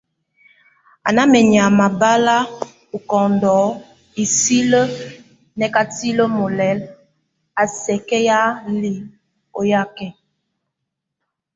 A ná menyama bal ókondon hiseli nákatile molɛl a sɛkéyanɛ li oyak e?